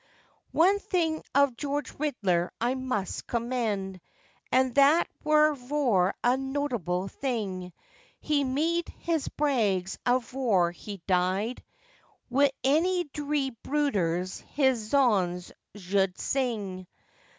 One thing of George Ridler I must commend, And that wur vor a notable thing; He mead his brags avoore he died, Wi' any dree brooders his zons zshould zing.